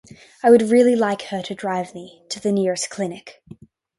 I would really like her to drive me to the nearest clinic.